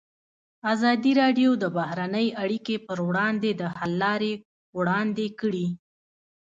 ازادي راډیو د بهرنۍ اړیکې پر وړاندې د حل لارې وړاندې کړي.